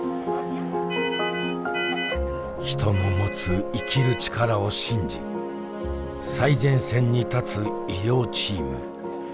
人の持つ生きる力を信じ最前線に立つ医療チーム。